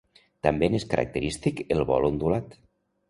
També n'és característic el vol ondulat.